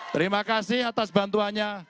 terima kasih atas bantuannya